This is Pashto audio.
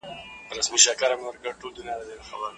مور یې په فیصل باندې د بد چلند له امله غوسه شوه.